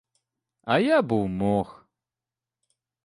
А я був мох.